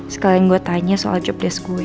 sekalian gue tanya soal job desk gue